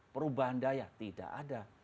perubahan daya tidak ada